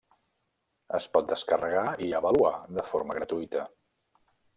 Es pot descarregar i avaluar de forma gratuïta.